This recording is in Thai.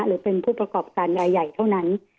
หรือเป็นผู้ประกอบการรายใหญ่เท่านั้น